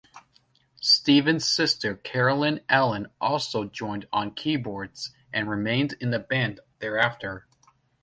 Steven's sister Carolyn Allen also joined on keyboards, and remained in the band thereafter.